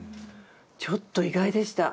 ちょっと意外でした。